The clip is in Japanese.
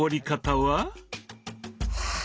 はあ。